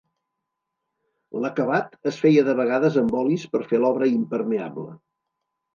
L'acabat es feia de vegades amb olis per fer l'obra impermeable.